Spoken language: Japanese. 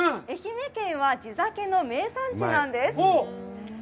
愛媛県は、地酒の名産地なんです。